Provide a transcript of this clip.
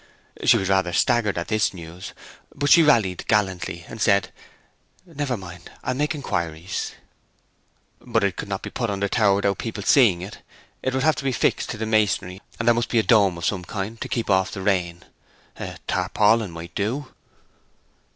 She was rather staggered at this news; but she rallied gallantly, and said, 'Never mind. I'll make inquiries.' 'But it could not be put on the tower without people seeing it! It would have to be fixed to the masonry. And there must be a dome of some kind to keep off the rain. A tarpaulin might do.'